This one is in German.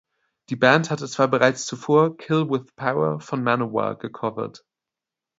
Die Band hatte zwar bereits zuvor "Kill With Power" von Manowar gecovert.